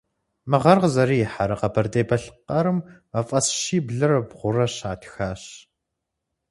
Мы гъэр къызэрихьэрэ Къэбэрдей-Балъкъэрым мафӏэс щиблрэ бгъурэ щатхащ.